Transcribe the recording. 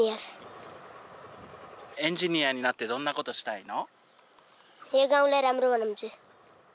エンジニアになってどんなことしたいの？